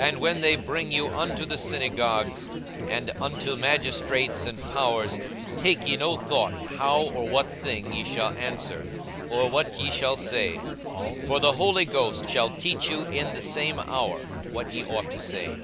42:012:011 And when they bring you unto the synagogues, and unto magistrates, and powers, take ye no thought how or what thing ye shall answer, or what ye shall say: 42:012:012 For the Holy Ghost shall teach you in the same hour what ye ought to say.